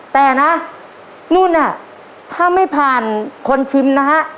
แต่นั่นถ้าไม่ผ่านคนชิมนะ